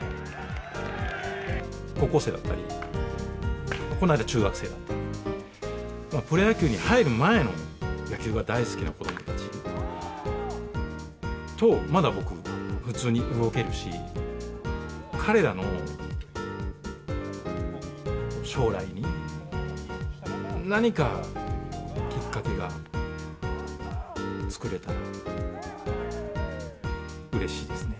高校生だったり、この間、中学生だったり、プロ野球に入る前の野球が大好きな子どもたちと、まだ僕、普通に動けるし、彼らの将来に何かきっかけが作れたらうれしいですね。